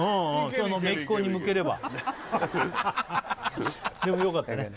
その姪っ子に向ければよかったね